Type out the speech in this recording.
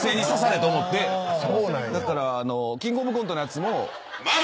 キングオブコントのやつも。